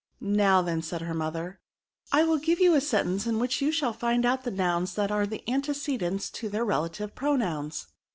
" Now then,'* said her mother, " I will give you a sentence, in which you shall find out the nouns that axe antecedents to their relative pronoims.